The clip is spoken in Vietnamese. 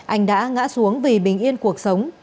anh đã ngã xuống vì bình yên cuộc sống